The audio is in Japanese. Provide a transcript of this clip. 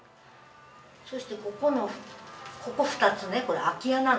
そしてここのここ２つねこれ空き家なの。